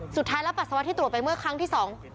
สุดท้ายแล้วปัสสาวะที่ตรวจไปเมื่อครั้งที่สอง